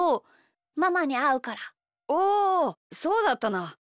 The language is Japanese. おおそうだったな。